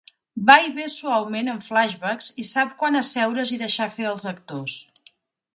Va i ve suaument amb flashbacks i sap quan asseure's i deixar fer als actors.